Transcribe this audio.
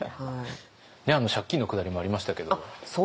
借金のくだりもありましたけど。